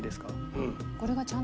うん。